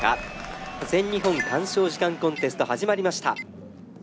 全日本鑑賞時間コンテスト始まりました。